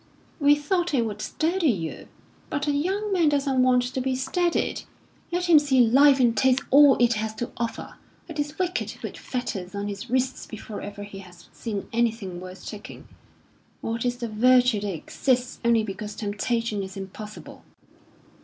"We thought it would steady you." "But a young man doesn't want to be steadied. Let him see life and taste all it has to offer. It is wicked to put fetters on his wrists before ever he has seen anything worth taking. What is the virtue that exists only because temptation is impossible!"